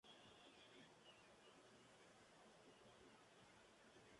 El libro incluye además entrevistas a los actores de la serie.